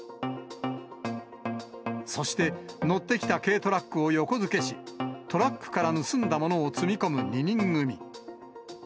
そして、乗ってきた軽トラックを横付けし、トラックから盗んだものを積み込む２人組。